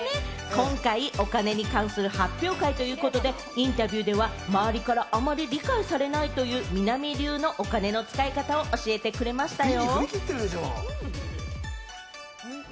今回、お金に関する発表会ということで、インタビューでは、周りからあまり理解されないという、みな実流のお金の使い方を教えてくれましたよ。